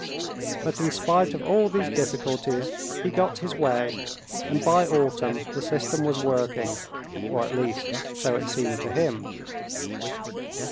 But in spite of all these difficulties he got his way, and by autumn the system was working, or at least so it seemed to him.